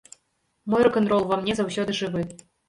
Мой рок-н-рол ува мне заўсёды жывы!